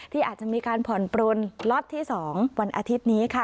ที่อาจจะมีการผ่อนปลนล็อตที่๒วันอาทิตย์นี้ค่ะ